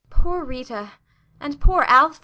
] Poor Rita! And poor Alfred!